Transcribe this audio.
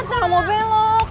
nggak mau belok